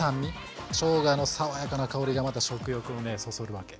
しょうがの爽やかな香りがまた食欲をそそるわけ。